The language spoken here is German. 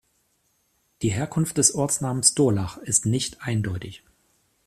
Die Herkunft des Ortsnamens „Durlach“ ist nicht eindeutig.